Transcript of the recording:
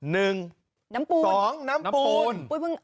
นึงสองน้ำปูน